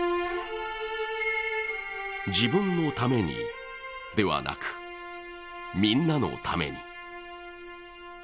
自分のためにではなくみんなのために。